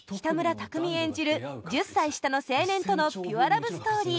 １０歳下の青年とのピュアラブストーリー